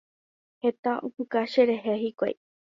Heta opuka cherehe hikuái.